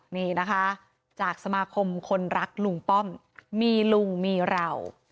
นี่นะคะจากสมาคมคนรักลุงป้อมมีลุงมีเรา